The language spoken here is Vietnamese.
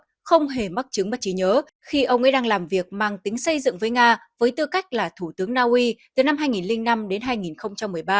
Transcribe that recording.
tổng thư ký nato không hề mắc chứng bất chí nhớ khi ông ấy đang làm việc mang tính xây dựng với nga với tư cách là thủ tướng naui từ năm hai nghìn năm đến hai nghìn một mươi ba